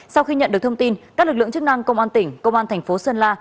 sau khi nhận được thông tin các lực lượng chức năng công an tỉnh công an thành phố sơn la